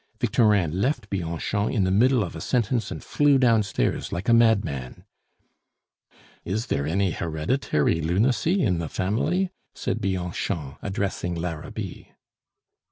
Victorin left Bianchon in the middle of a sentence and flew downstairs like a madman. "Is there any hereditary lunacy in the family?" said Bianchon, addressing Larabit.